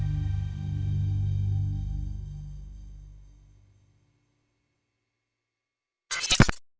โปรดติดตามตอนต่อไป